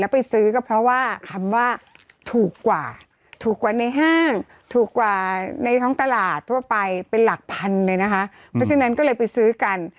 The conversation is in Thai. เพราะฉะนั้นก็เลยไปซื้อกัน